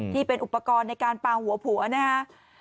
ที่เป็นอุปกรณ์ในการปางหัวผัวนะครับ